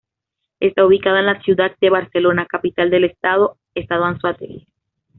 Está ubicado en la ciudad de Barcelona, capital del estado Estado Anzoátegui.